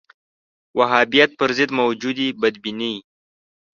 وهابیت پر ضد موجودې بدبینۍ